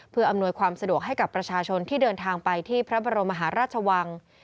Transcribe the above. เพื่ออำนวยความสะดวกให้กับประชาชนที่เดินทางไปที่พระบรมมหาราชวัง